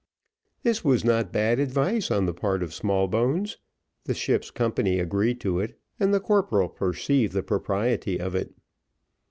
This was not bad advice on the part of Smallbones the ship's company agreed to it, and the corporal perceived the propriety of it.